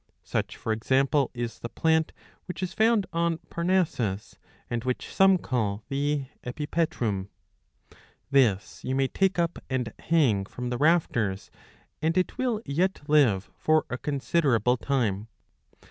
Such for example is the plant which is found on Parnassus, and which some call the Epipetrum. ''^ This you may take up and hang from the rafters, and it will yet live for a considerable time.